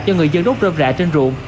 do người dân đốt rơm rạ trên ruộng